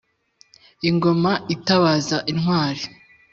Ingoma itabaza intwari